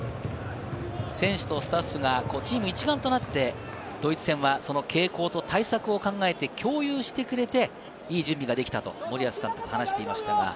選手とスタッフがチーム一丸となって、ドイツ戦はその傾向と対策を考えて共有してくれて、いい準備ができたと森保監督は話していました。